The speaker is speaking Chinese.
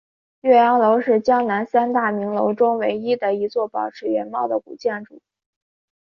岳阳楼是江南三大名楼中唯一的一座保持原貌的古建筑。